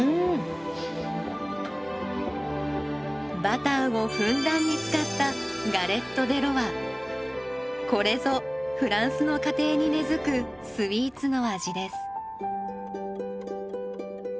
バターをふんだんに使ったこれぞフランスの家庭に根づくスイーツの味です。